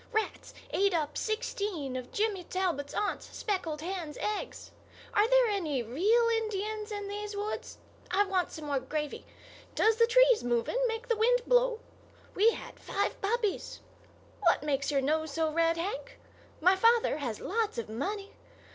Rats ate up sixteen of Jimmy Talbot's aunt's speckled hen's eggs. Are there any real Indians in these woods? I want some more gravy. Does the trees moving make the wind blow? We had five puppies. What makes your nose so red, Hank? My father has lots of money.